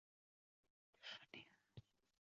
是帘蛤目帘蛤科浅蜊属的一种。